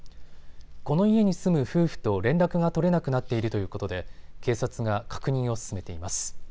この家に住む夫婦と連絡が取れなくなっているということで警察が確認を進めています。